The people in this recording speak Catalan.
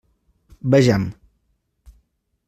Vejam.